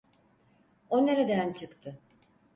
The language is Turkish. O nereden çıktı?